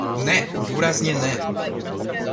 Ne, důrazně ne.